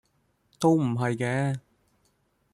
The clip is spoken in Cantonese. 都唔係嘅